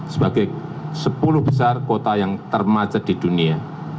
sebagai sepuluh besar kota yang termacet di dunia